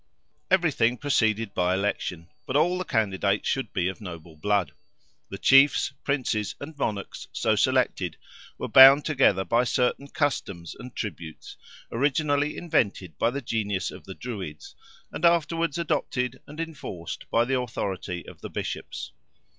Everything proceeded by election, but all the candidates should be of noble blood. The Chiefs, Princes, and Monarchs, so selected, were bound together by certain customs and tributes, originally invented by the genius of the Druids, and afterwards adopted and enforced by the authority of the Bishops.